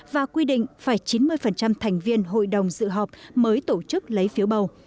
và quy định phải chín mươi thành viên hội đồng dự họp mới tổ chức lấy phiếu bầu